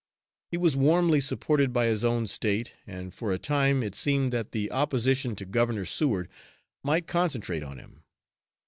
He was warmly supported by his own State, and for a time it seemed that the opposition to Governor Seward might concentrate on him.